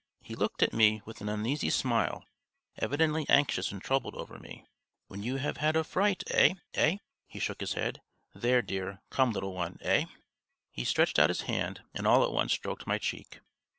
He looked at me with an uneasy smile, evidently anxious and troubled over me. "Why, you have had a fright, aïe, aïe!" He shook his head. "There, dear.... Come, little one, aïe!" He stretched out his hand, and all at once stroked my cheek.